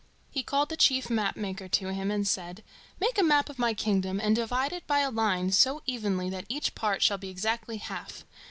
He called the chief map maker to him, and said: "Make a map of my kingdom and divide it by a line so evenly that each part shall be exactly half.